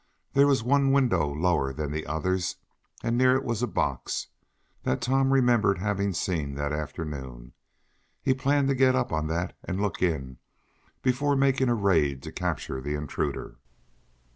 There was one window lower than the others, and near it was a box, that Tom remembered having seen that afternoon. He planned to get up on that and look in, before making a raid to capture the intruder.